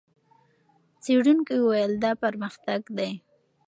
څېړونکو وویل، دا پرمختګ دی.